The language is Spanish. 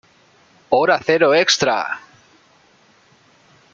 Hora Cero Extra!